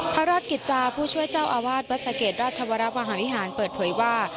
พระราชกิจจาผู้ช่วยเจ้าอาวาสวัดสะเกดราชวรมหาวิหารเปิดเผยว่า